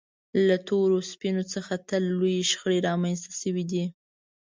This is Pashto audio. له تورو سپینو څخه تل لویې شخړې رامنځته شوې دي.